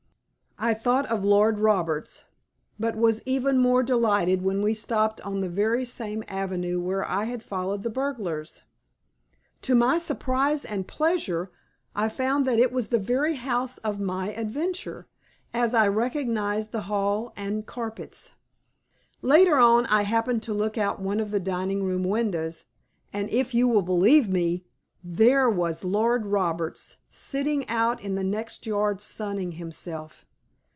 I thought of Lord Roberts, but was even more delighted when we stopped on the very same avenue where I had followed the burglars. To my surprise and pleasure I found that it was the very house of my adventure, as I recognized the hall and carpets. Later on I happened to look out of one of the dining room windows and if you will believe me, there was Lord Roberts sitting out in the next yard sunning himself.